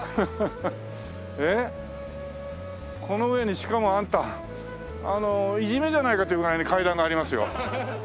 えっこの上にしかもあんたいじめじゃないかというぐらいに階段がありますよ。